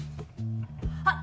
あっ！